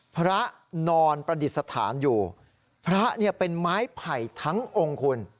พระนอนประดิษฐานอยู่พระเนี่ยเป็นไม้ไผ่ทั้งองค์คุณ